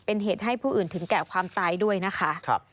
เป็นเหตุให้ผู้อื่นถึงแก่ความตายด้วยนะคะ